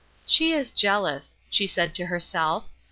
"She is jealous," she said to herself.